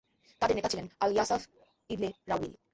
তাদের নেতা ছিলেন আল ইয়াসাফ ইবন রাউঈল।